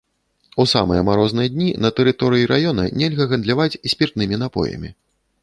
У самыя марозныя дні на тэрыторыі раёна нельга гандляваць спіртнымі напоямі.